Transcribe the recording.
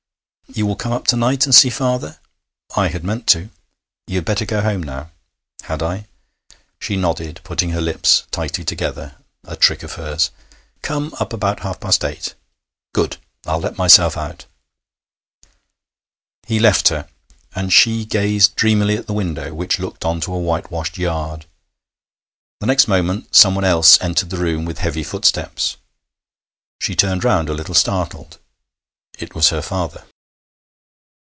'You will come up to night and see father?' 'I had meant to.' 'You had better go home now.' 'Had I?' She nodded, putting her lips tightly together a trick of hers. 'Come up about half past eight.' 'Good! I will let myself out.' He left her, and she gazed dreamily at the window, which looked on to a whitewashed yard. The next moment someone else entered the room with heavy footsteps. She turned round a little startled. It was her father.